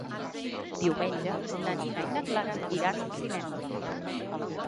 Diumenge na Nina i na Clara iran al cinema.